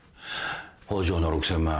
北條の６，０００万